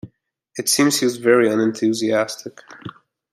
It seems he was very unenthusiastic.